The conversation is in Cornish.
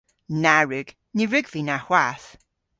Na wrug. Ny wrug vy na hwath.